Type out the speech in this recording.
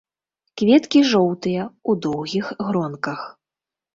Кветкі жоўтыя ў доўгіх гронках.